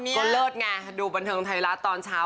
ก็เลิศไงดูบันเทิงไทยรัฐตอนเช้า